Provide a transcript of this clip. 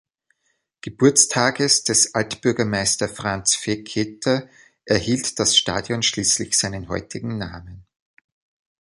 Geburtstages des Altbürgermeister Franz Fekete, erhielt das Stadion schließlich seinen heutigen Namen.